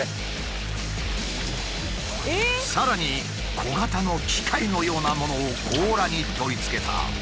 さらに小型の機械のようなものを甲羅に取りつけた。